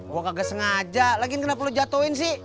gua kagak sengaja lagi kenapa lo jatohin sih